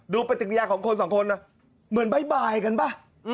ปฏิกิริยาของคนสองคนเหมือนบ๊ายบายกันป่ะ